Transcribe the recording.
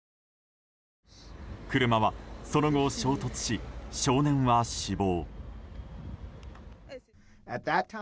車はその後、衝突し少年は死亡。